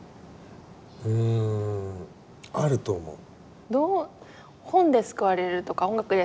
うんあると思う。